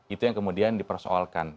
itu yang kemudian dipersoalkan